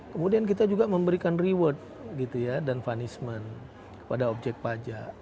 kemudian kita juga memberikan reward gitu ya dan punishment kepada objek pajak